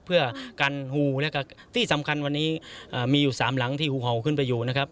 เพื่อกันหูแล้วก็ที่สำคัญวันนี้มีอยู่สามหลังที่หูเห่าขึ้นไปอยู่นะครับ